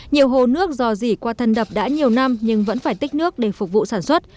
nhiều hồ nước dò dỉ qua thân đập đã nhiều năm nhưng vẫn phải tích nước để phục vụ sản xuất